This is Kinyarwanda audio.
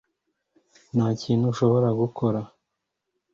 Nta kintu ushobora gukora